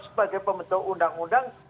sebagai pembentuk undang undang